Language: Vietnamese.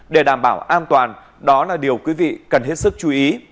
để đảm bảo an toàn đó là điều quý vị cần hết sức chú ý